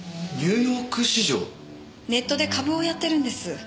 ネットで株をやってるんです。